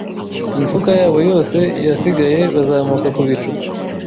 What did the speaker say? imifuka yabo yose yasigaye Bazamuka ku bicu